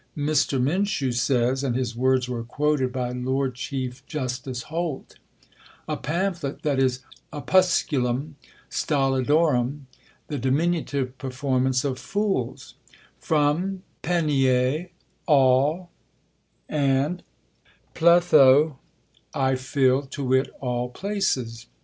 Mr. Minshew says (and his words were quoted by Lord Chief Justice Holt), 'A PAMPHLET, that is Opusculum Stolidorum, the diminutive performance of fools; from [Greek: pan], all, and [Greek: plêtho], I fill, to wit, all places.